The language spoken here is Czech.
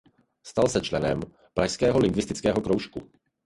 Stal se členem Pražského lingvistického kroužku.